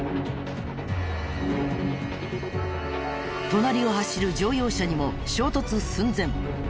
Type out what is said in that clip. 隣を走る乗用車にも衝突寸前。